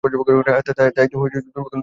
তাই, তুমি চিন্তা কোরো না।